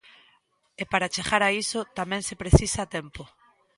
E para chegar a iso tamén se precisa tempo...